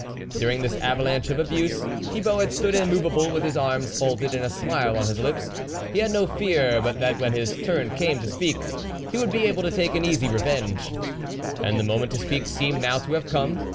During this avalanche of abuse Thibault had stood immovable with his arms folded and a smile on his lips. He had no fear but that when his turn came to speak, he would be able to take an easy THE WOLF LEADER revenge. And the moment to speak seemed now to have come.